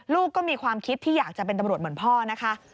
ลูกก็มีความคิดที่อยากจะเป็นตำรวจเหมือนพ่อนะคะ